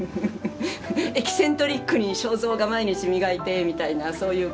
エキセントリックに肖像画毎日磨いてみたいなそういう